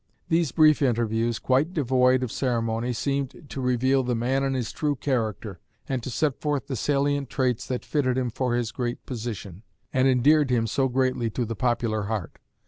These brief interviews, quite devoid of ceremony, seemed to reveal the man in his true character, and to set forth the salient traits that fitted him for his great position, and endeared him so greatly to the popular heart.